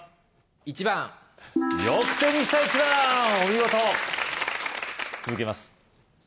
１番よく手にした１番お見事続けます